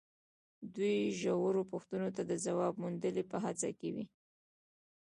دوی ژورو پوښتنو ته د ځواب موندلو په هڅه کې وي.